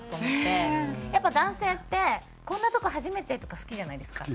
やっぱり男性って「こんなとこ初めて」とか好きじゃないですか？